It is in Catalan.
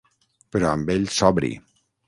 Però amb ell sobri.